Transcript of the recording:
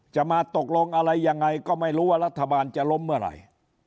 จะมาตกลงอะไรยังไงก็ไม่รู้ว่ารัฐบาลจะล้มเมื่อไหร่